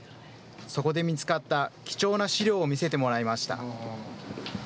そこで見つかった貴重な資料を見せてもらいました。